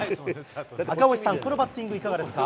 赤星さん、このバッティング、いかがですか。